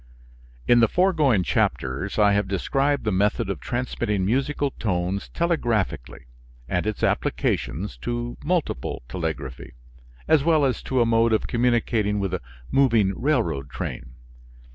In the foregoing chapters I have described the method of transmitting musical tones telegraphically and its applications to multiple telegraphy, as well as to a mode of communicating with a moving railroad train.